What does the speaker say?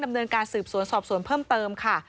ดำเนินการสืบสวนสอบสวนเพิ่มเติมค่ะ